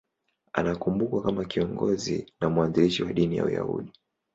Anakumbukwa kama kiongozi na mwanzilishi wa dini ya Uyahudi.